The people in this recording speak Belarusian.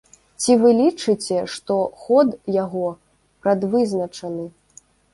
Ці вы лічыце, што ход яго прадвызначаны?